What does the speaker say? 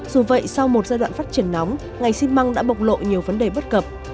dù vậy sau một giai đoạn phát triển nóng ngành xi măng đã bộc lộ nhiều vấn đề bất cập